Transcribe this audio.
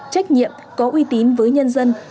trách nhiệm có uy tín với nhân dân